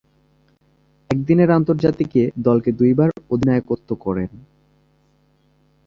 একদিনের আন্তর্জাতিকে দলকে দুইবার অধিনায়কত্ব করেন।